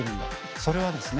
それはですね